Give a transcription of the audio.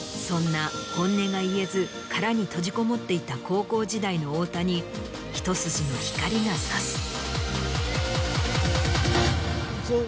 そんな本音が言えず殻に閉じこもっていた高校時代の太田にひと筋の光が差す。